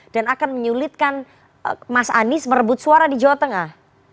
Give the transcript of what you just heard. dan akan menyulitkan mas anies merebut suara di jawa tengah